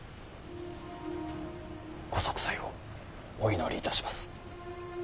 ご息災をお祈りいたします。